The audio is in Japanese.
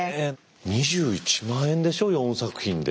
２１万円でしょ４作品で。